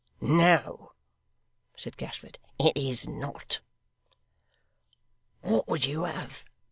'No,' said Gashford. 'It is not.' 'What would you have?